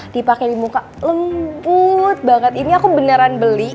dipakai di muka lembut banget ini aku beneran beli